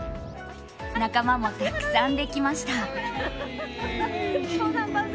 仲間もたくさんできました。